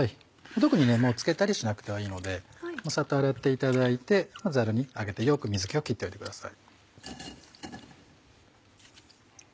特につけたりしなくてはいいのでサッと洗っていただいてざるにあげてよく水気を切っておいてください。